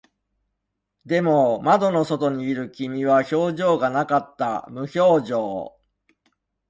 でも、窓の外にいる君は表情がなかった。無表情。